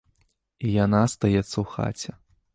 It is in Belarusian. І яна астаецца ў хаце.